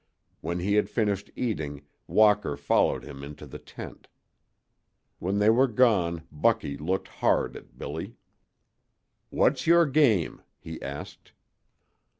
When he had finished eating, Walker followed him into the tent. When they were gone Bucky looked hard at Billy. "What's your game?" he asked.